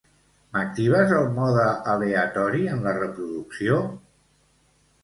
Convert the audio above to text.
M'actives el mode aleatori en la reproducció?